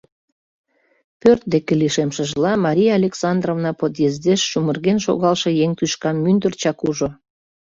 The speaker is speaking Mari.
Пӧрт деке лишемшыжла, Мария Александровна подъездеш чумырген шогалше еҥ тӱшкам мӱндырчак ужо.